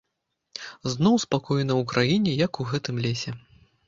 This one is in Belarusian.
Зноў спакойна ў краіне, як у гэтым лесе.